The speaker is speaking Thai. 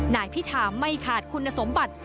นายพิธาไม่ขาดคุณสมบัติ